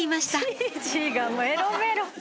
じいじがメロメロ。